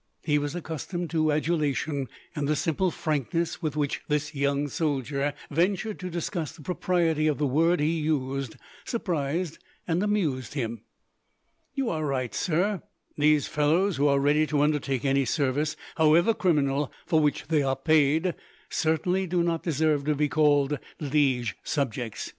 He was accustomed to adulation, and the simple frankness with which this young soldier ventured to discuss the propriety of the word he used surprised and amused him. "You are right, sir. These fellows, who are ready to undertake any service, however criminal, for which they are paid, certainly do not deserve to be called liege subjects.